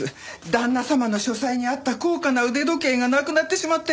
旦那様の書斎にあった高価な腕時計がなくなってしまって。